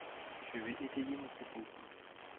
Je vais étayer mon propos.